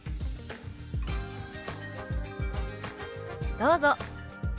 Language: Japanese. どうぞ。